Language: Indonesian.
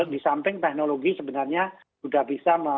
di samping teknologi sebenarnya sudah bisa